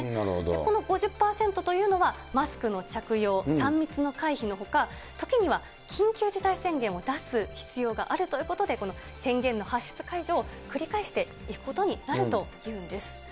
この５０％というのは、マスクの着用、３密の回避のほか、時には緊急事態宣言を出す必要があるということで、この宣言の発出、解除を繰り返していくことになるというんです。